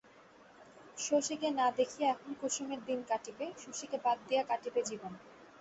শশীকে না দেখিয়া এখন কুসুমের দিন কাটিবে, শশীকে বাদ দিয়া কাটিবে জীবন।